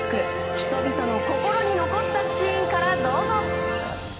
人々の心に残ったシーンからどうぞ！